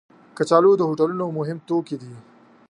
کچالو د هوټلونو مهم توکي دي